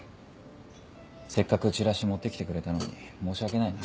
せっかくチラシ持って来てくれたのに申し訳ないな。